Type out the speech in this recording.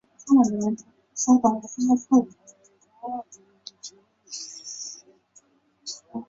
而他的姊姊是受到该校教授古川竹二的影响。